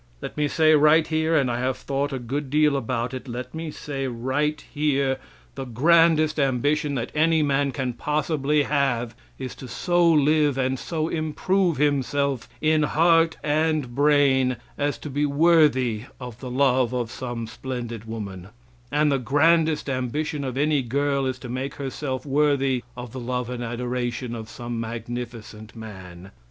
Let me say right here and I have thought a good deal about it let me say right here, the grandest ambition that any man can possibly have is to so live and so improve himself in heart and brain as to be worthy of the love of some splendid woman; and the grandest ambition of any girl is to make herself worthy of the love and adoration of some magnificent man.